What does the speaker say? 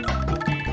sampai jumpa lagi